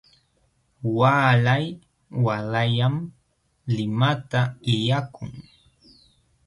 Waalay waalayllam limata illakun.